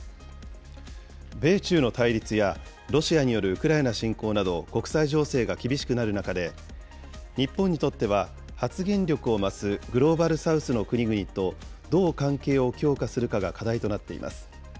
米中の対立やロシアによるウクライナ侵攻など、国際情勢が厳しくなる中で、日本にとっては発言力を増すグローバル・サウスの国々とどう関係を強化するかが課題となっています。